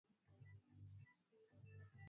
Saa yake imeharibika